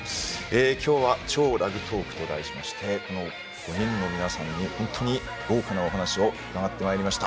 今日は「超ラグトーク」と題して５人の皆さんに本当に豪華なお話を伺ってまいりました。